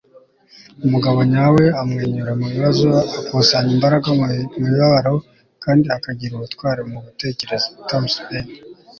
umugabo nyawe amwenyura mu bibazo, akusanya imbaraga mu mibabaro, kandi akagira ubutwari mu gutekereza. - thomas paine